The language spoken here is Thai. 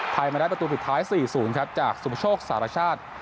ไทยมาได้ประตูผลิตท้ายสี่ศูนย์ครับจากสุพชกสหราชาติ